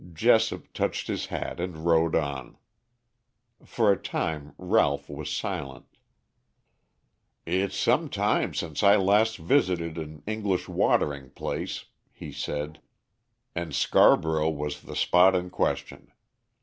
Jessop touched his hat and rode on. For a time Ralph was silent. "It's some time since I last visited an English watering place," he said, "and Scarborough was the spot in question.